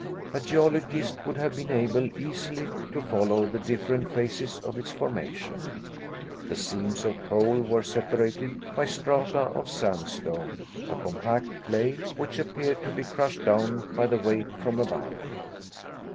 A geologist would have been able easily to follow the different phases of its formation. The seams of coal were separated by strata of sandstone, a compact clay, which appeared to be crushed down by the weight from above.